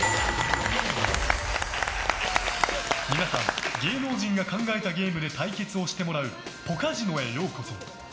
皆さん、芸能人が考えたゲームで対決をしてもらうポカジノへようこそ。